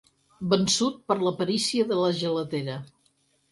Vençut per la perícia de la gelatera.